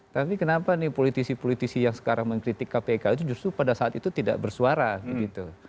tapi kenapa nih politisi politisi yang sekarang mengkritik kpk itu justru pada saat itu tidak bersuara begitu